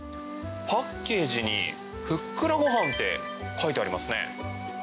パッケージに、ふっくらご飯って書いてありますね。